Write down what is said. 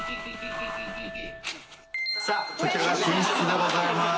さあこちらが寝室でございます。